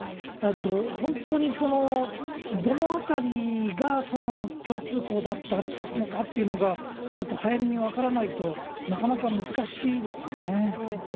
本当にどのあたりが共通項だったのかっていうのが、ちょっと早めに分からないと、そうですね。